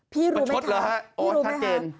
พี่รู้ไหมครับมันชดร้ะท่านเกณฑ์